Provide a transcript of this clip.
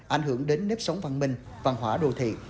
ảnh hưởng đến nếp sống văn minh văn hóa đô thị